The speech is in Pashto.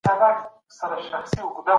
نارنج او لیمو ډېر وخورئ.